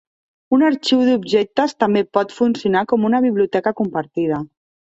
Un arxiu d'objectes també pot funcionar com una biblioteca compartida.